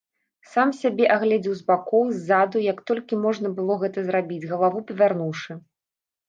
Сам сябе агледзеў з бакоў, ззаду, як толькі можна было гэта зрабіць, галаву павярнуўшы.